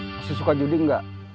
masih suka judi enggak